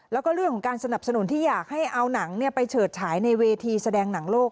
แล้วก็เรื่องของการสนับสนุนที่อยากให้เอาหนังไปเฉิดฉายในเวทีแสดงหนังโลก